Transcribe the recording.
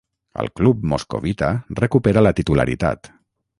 Al club moscovita recupera la titularitat.